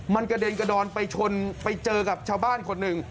มันกระเด็นกระดอนไปชนไปเจอกับชาวบ้านคนหนึ่ง